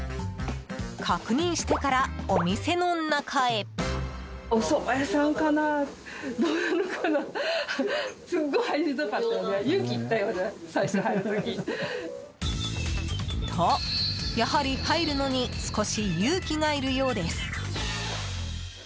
確認してから、お店の中へ。と、やはり入るのに少し勇気がいるようです。